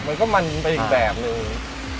มันก็มันไปอีกแบบนึง